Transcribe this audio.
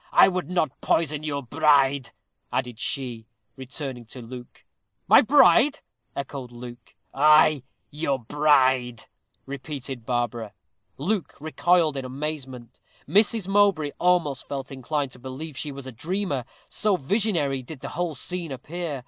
"I would not poison your bride," added she, turning to Luke. "My bride!" echoed Luke. "Ay, your bride," repeated Barbara. Luke recoiled in amazement. Mrs. Mowbray almost felt inclined to believe she was a dreamer, so visionary did the whole scene appear.